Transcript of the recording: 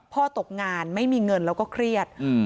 ตกงานไม่มีเงินแล้วก็เครียด